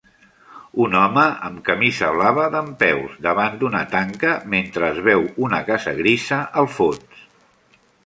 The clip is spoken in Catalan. Un home amb camisa blava dempeus davant d'una tanca mentre es veu una casa grisa al fons